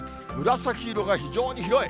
紫色が非常に広い。